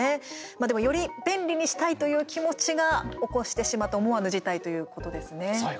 でも、より便利にしたいという気持ちが起こしてしまったそういうことなんです。